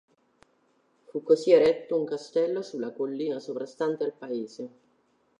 Fu così eretto un castello sulla collina sovrastante al paese.